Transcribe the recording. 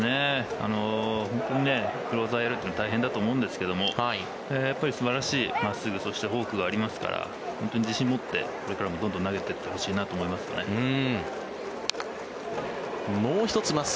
本当にクローザーをやるというのは大変だと思うんですけど素晴らしい真っすぐそしてフォークがありますから本当に自信を持ってこれからもどんどん投げていってほしいなと思います。